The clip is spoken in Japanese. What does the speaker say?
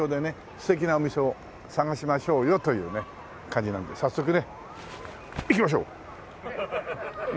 素敵なお店を探しましょうよという感じなんで早速ね行きましょう！